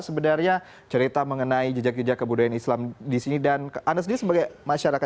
sebenarnya cerita mengenai jejak jejak kebudayaan islam di sini dan anda sendiri sebagai masyarakat